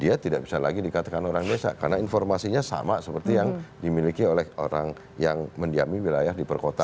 dia tidak bisa lagi dikatakan orang desa karena informasinya sama seperti yang dimiliki oleh orang yang mendiami wilayah di perkotaan